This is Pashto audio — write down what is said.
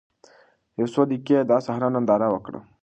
يو څو دقيقې يې دا صحنه ننداره وکړه.